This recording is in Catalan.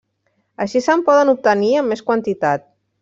Així se'n poden obtenir en més quantitat.